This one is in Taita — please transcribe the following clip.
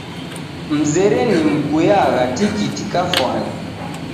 Mzere nimguyagha tikiti kafwani.